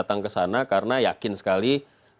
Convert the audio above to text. yang kesana karena yakin sekali